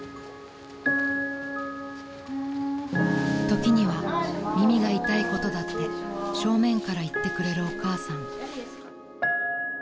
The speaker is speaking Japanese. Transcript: ［時には耳が痛いことだって正面から言ってくれるお母さん］